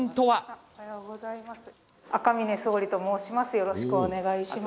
よろしくお願いします。